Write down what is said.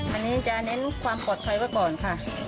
อันนี้จะเน้นความปลอดภัยไว้ก่อนค่ะ